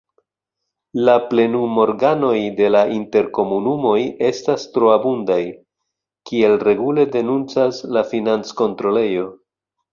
La plenumorganoj de la interkomunumoj estas troabundaj, kiel regule denuncas la financkontrolejo.